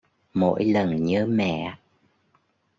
Mỗi lần nhớ mẹ